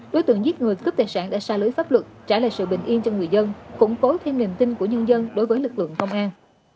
đối tượng giết người cướp tài sản đã xa lưới pháp luật trả lại sự bình yên cho người dân củng cố thêm niềm tin của nhân dân đối với lực lượng công an